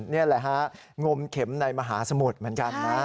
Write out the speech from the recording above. นี่แหละฮะงมเข็มในมหาสมุทรเหมือนกันนะ